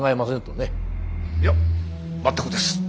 いや全くです。